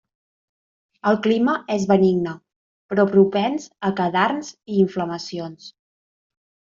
El clima és benigne, però propens a cadarns i inflamacions.